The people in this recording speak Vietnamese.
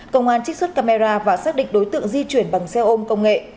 công an trích xuất camera và xác định đối tượng di chuyển bằng xe ôm công nghệ